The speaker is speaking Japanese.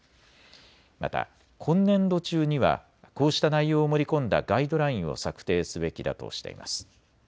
また今年度中にはこうした内容を盛り込んだガイドラインを策定すべきだとしています。